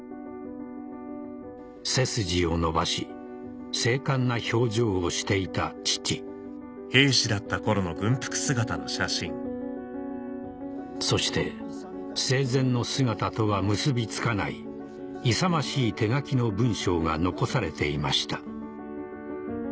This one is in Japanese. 背筋を伸ばし精悍な表情をしていた父そして生前の姿とは結び付かない勇ましい手書きの文章が残されていました